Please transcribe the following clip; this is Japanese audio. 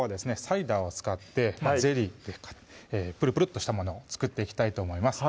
サイダーを使ってゼリーというかプルプルッとしたものを作っていきたいと思います